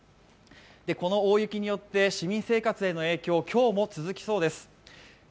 この大雪によって市民生活への影響、今日も続きそうです。